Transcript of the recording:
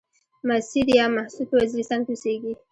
مسيد يا محسود په وزيرستان کې اوسيږي.